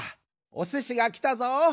おすしがきたぞ。